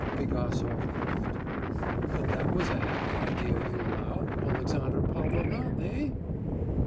Pigasov laughed. 'But that was a happy idea, you'll allow, Alexandra Pavlovna, eh?